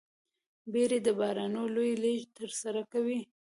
بیړۍ د بارونو لوی لېږد ترسره کوي.